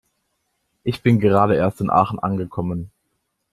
Ich bin gerade erst in Aachen angekommen